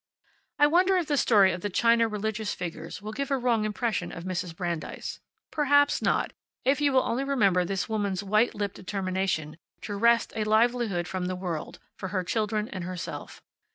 I wonder if the story of the china religious figures will give a wrong impression of Mrs. Brandeis. Perhaps not, if you will only remember this woman's white lipped determination to wrest a livelihood from the world, for her children and herself.